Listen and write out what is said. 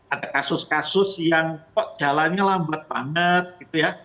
ada kasus kasus yang kok jalannya lambat banget gitu ya